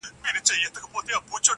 ساقي نوې مي توبه کړه ډک جامونه ښخومه!.